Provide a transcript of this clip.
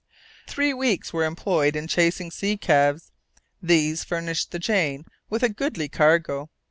Three weeks were employed in chasing sea calves; these furnished the Jane with a goodly cargo.